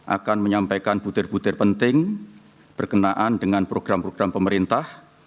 akan menyampaikan butir butir penting berkenaan dengan program program pemerintah